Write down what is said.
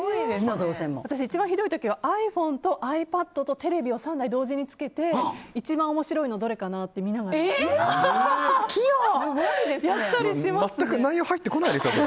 私、一番ひどい時はｉＰｈｏｎｅとｉＰａｄとテレビを３台同時につけて一番面白いのどれかなって見ながらやったりしますね。